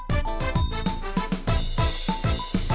เบอร์๒นะครับ